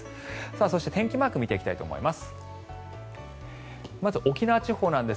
そして、天気マークを見ていきたいと思います。